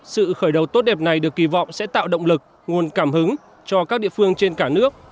sự khởi đầu tốt đẹp này được kỳ vọng sẽ tạo động lực nguồn cảm hứng cho các địa phương trên cả nước